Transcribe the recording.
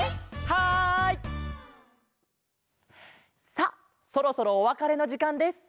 さあそろそろおわかれのじかんです。